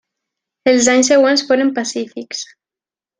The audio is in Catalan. Els anys següents foren pacífics.